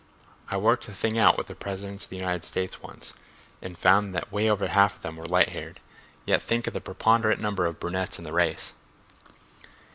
I worked the thing out with the Presidents of the United States once, and found that way over half of them were light haired—yet think of the preponderant number of brunettes in the race."